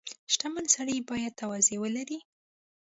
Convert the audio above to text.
• شتمن سړی باید تواضع ولري.